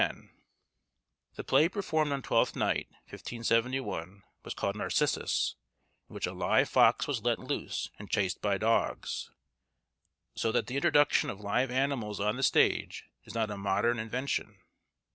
The play performed on Twelfth Night, 1571, was called Narcissus, in which a live fox was let loose and chased by dogs; so that the introduction of live animals on the stage is not a modern invention.